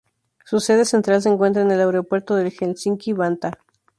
Su sede central se encuentra en el Aeropuerto de Helsinki-Vantaa.